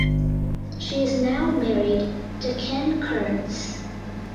She is now married to Ken Kearns.